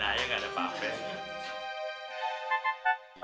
ayah gak ada apa apa